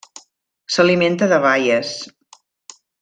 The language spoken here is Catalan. S'alimenta de baies.